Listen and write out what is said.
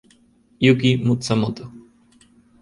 Yuki Matsumoto